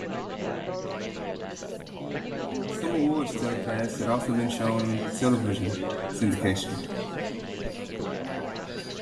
Some awards telecasts had also been shown in television syndication.